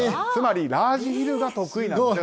つまりラージヒルが得意だと。